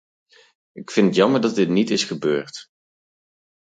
Ik vind het jammer dat dit niet is gebeurd.